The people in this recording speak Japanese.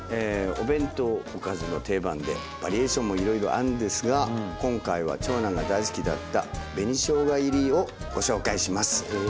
お弁当おかずの定番でバリエーションもいろいろあるんですが今回は長男が大好きだった紅しょうが入りをご紹介します。